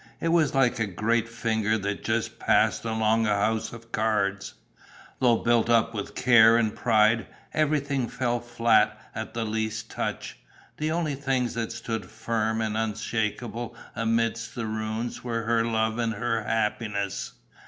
It was like a great finger that just passed along a house of cards: though built up with care and pride, everything fell flat at the least touch. The only things that stood firm and unshakable amid the ruins were her love and her happiness.